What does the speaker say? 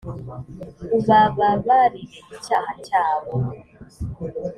ubababarire icyaha cyabo